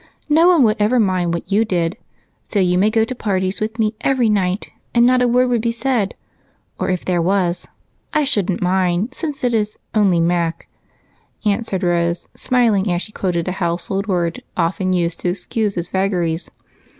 No one would ever mind what you did, so you may go to parties with me every night and not a word would be said or, if there was, I shouldn't mind since it is 'only Mac,'" answered Rose, smiling as she quoted a household phrase often used to excuse his vagaries.